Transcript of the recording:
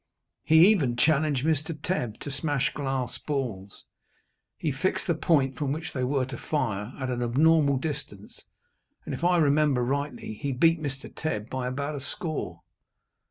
He even challenged Mr. Tebb to smash glass balls. He fixed the point from which they were to fire at an abnormal distance, and, if I remember rightly, he beat Mr. Tebb by about a score.